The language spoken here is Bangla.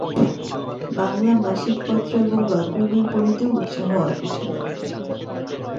বাংলা মাসিকপত্র এবং গল্পের বই পড়িতেও উৎসাহ অল্প ছিল না।